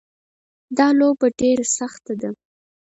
دا لوبه ډېره سخته ده